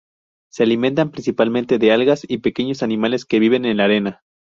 Se alimentan, principalmente, de algas y pequeños animales que viven en la arena.